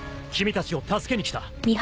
君たちを助けに来た。